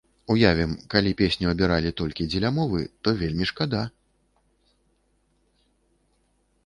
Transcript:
Уявім, калі песню абіралі толькі дзеля мовы, то вельмі шкада.